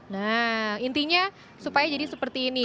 nah intinya supaya jadi seperti ini